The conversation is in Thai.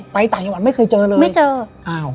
ไปต่างจังหวัดไม่เคยเจอเลย